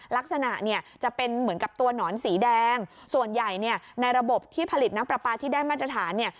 ลักษณะเนี่ยจะเป็นเหมือนกับตัวหนอนสีแดงส่วนใหญ่เนี่ยในระบบที่ผลิตน้ำปลาปลาที่ได้มาตรฐานเนี่ย